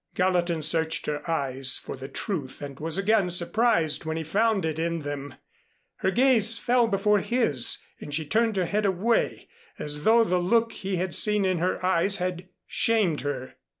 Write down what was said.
Gallatin searched her eyes for the truth and was again surprised when he found it in them. Her gaze fell before his and she turned her head away, as though the look he had seen in her eyes had shamed her.